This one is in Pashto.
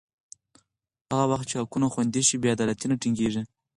هغه وخت چې حقونه خوندي شي، بې عدالتي نه ټینګېږي.